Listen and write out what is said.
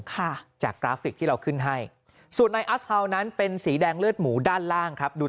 ค่ะจากกราฟิกที่เราขึ้นให้ส่วนในอัสเฮาวนั้นเป็นสีแดงเลือดหมูด้านล่างครับดู